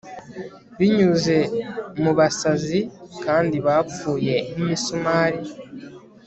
binyuze mu basazi kandi bapfuye nk'imisumari